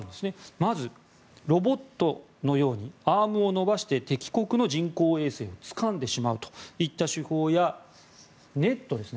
まず、ロボットのようにアームを伸ばして敵国の人工衛星をつかんでしまうといった手法やネットですね